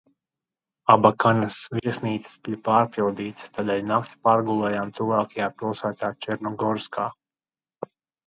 Abakanas viesnīcas bija pārpildītas, tādēļ nakti pārgulējām tuvākajā pilsētā Černogorskā.